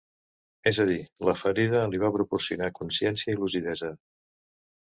És a dir, la ferida li va proporcionar consciència i lucidesa.